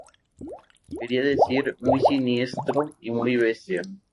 Quería decir muy siniestro y muy bestia.